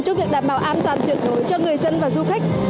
cho việc đảm bảo an toàn tuyệt đối cho người dân và du khách